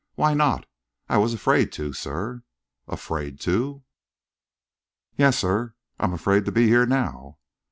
"Why not?" "I was afraid to, sir." "Afraid to?" "Yes, sir; I'm afraid to be here now."